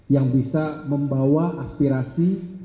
yang bisa membawa aspirasi